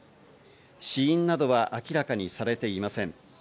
死因などは明らかにされていません。